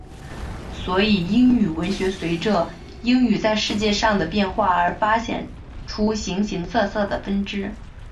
所以英语文学随着英语在世界上的变化而发展出了形形色色的分支。